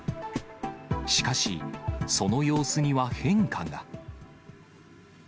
しかし、その様子には変化が。